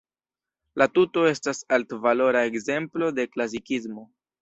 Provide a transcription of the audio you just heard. La tuto estas altvalora ekzemplo de klasikismo.